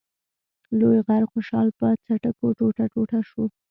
لوی غر خوشحال په څټکو ټوټه ټوټه شو.